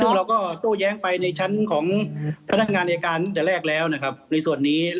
ซึ่งเราก็โต้แย้งไปในชั้นของพันธ์งานโจริยาการเดี๋ยวแรกแล้วแล้ว